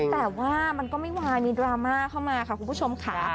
แต่ว่ามันก็ไม่วายมีดราม่าเข้ามาค่ะคุณผู้ชมค่ะ